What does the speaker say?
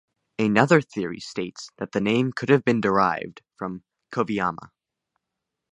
Another theory states that the name could have been derived from "Kovaiamma".